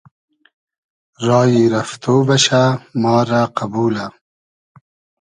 رایی رئفتۉ بئشۂ ما رۂ قئبولۂ